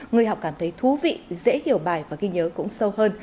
người học cảm thấy thú vị dễ hiểu bài và ghi nhớ cũng sâu hơn